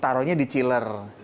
taruhnya di chiller